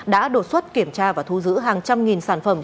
đã đột xuất kiểm tra và thu giữ hàng trăm nghìn sản phẩm